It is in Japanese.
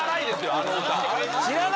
あの歌。